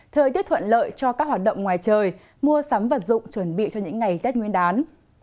thời tiết thuận lợi cho các hoạt động ngoài trời mua sắm vật dụng chuẩn bị cho những ngày tết nguyên đán